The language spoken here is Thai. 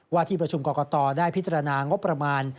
ที่ประชุมกรกตได้พิจารณางบประมาณ